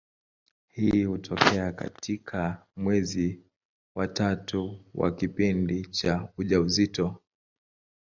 Hii hutokea katika mwezi wa tatu wa kipindi cha ujauzito.